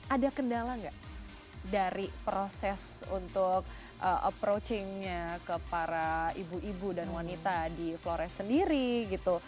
ada kendala nggak dari proses untuk approaching nya ke para ibu ibu dan wanita di flores sendiri gitu